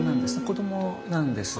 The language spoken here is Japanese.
子どもなんです。